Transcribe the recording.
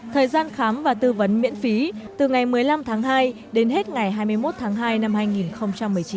thời gian khám và tư vấn miễn phí từ ngày một mươi năm tháng hai đến hết ngày hai mươi một tháng hai năm hai nghìn một mươi chín